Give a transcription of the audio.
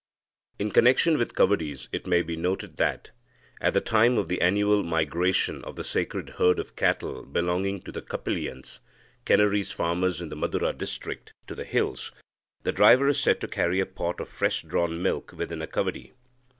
In connection with kavadis, it may be noted that, at the time of the annual migration of the sacred herd of cattle belonging to the Kappiliyans (Canarese farmers in the Madura district) to the hills, the driver is said to carry a pot of fresh drawn milk within a kavadi.